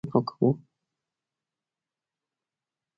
د درې سوه ایکره معیار ټاکل د قانون حکم و.